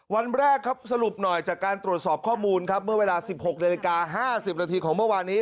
วันแรกครับสรุปหน่อยจากการตรวจสอบข้อมูลครับเมื่อเวลา๑๖นาฬิกา๕๐นาทีของเมื่อวานนี้